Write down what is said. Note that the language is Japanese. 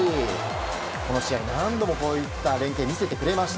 この試合、何度もこういう連係を見せてくれました。